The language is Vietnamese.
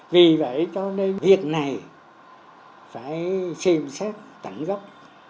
vì vậy cho nên việc này phải xem xét tận gốc